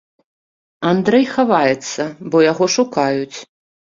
Андрэй хаваецца, бо яго шукаюць.